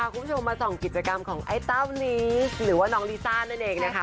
คุณผู้ชมมาส่องกิจกรรมของไอ้เต้าลีสหรือว่าน้องลิซ่านั่นเองนะคะ